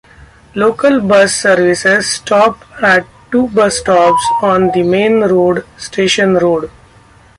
Local bus services stop at two bus stops on the main road, Station Road.